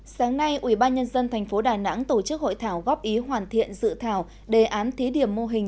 sáng nay ubnd tp đà nẵng tổ chức hội thảo góp ý hoàn thiện dự thảo đề án thí điểm mô hình